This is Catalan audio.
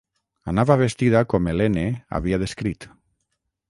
Anava vestida com Helene havia descrit.